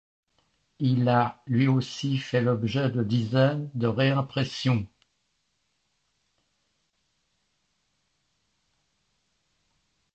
Il a, lui aussi, fait l'objet de dizaines de réimpressions.